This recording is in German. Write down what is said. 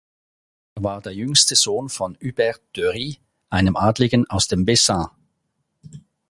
Er war der jüngste Sohn von Hubert de Ryes, einem Adligen aus dem Bessin.